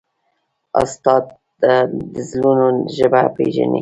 استاد د زړونو ژبه پېژني.